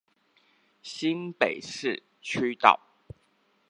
新北市區道